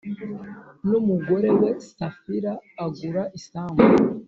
N Umugore We Safira Agura Isambu